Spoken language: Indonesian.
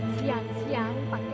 siang siang pak kakaknya